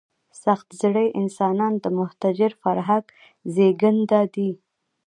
سخت زړي انسانان د متحجر فرهنګ زېږنده دي.